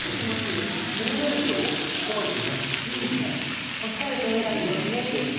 入れないとここまでリラックスはできませんよね。